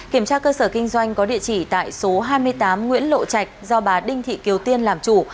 kiểm tra cơ sở kinh doanh có địa chỉ tại số hai mươi tám nguyễn lộ trạch do bà đinh thị kiều tiên làm chủ